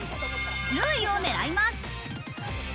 １０位をねらいます。